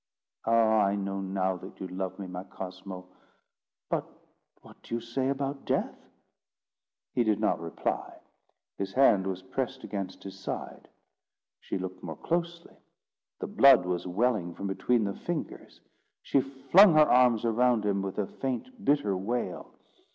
"Ah, I know now that you love me, my Cosmo; but what do you say about death?" He did not reply. His hand was pressed against his side. She looked more closely: the blood was welling from between the fingers. She flung her arms around him with a faint bitter wail.